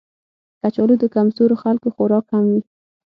کچالو د کمزورو خلکو خوراک هم وي